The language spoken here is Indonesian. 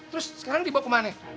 terus sekarang dibawa ke mana